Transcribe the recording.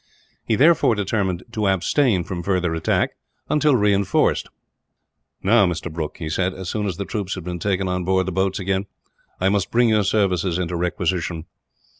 He therefore determined to abstain from further attack, until reinforced. "Now, Mr. Brooke," he said, as soon as the troops had been taken on board the boats again, "I must bring your services into requisition.